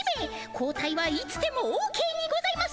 交代はいつでもオーケーにございます。